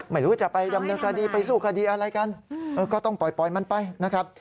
ไม่รู้จะไปดำเนินคดีไปสู้คดีอะไรกันก็ต้องปล่อยมันไปนะครับ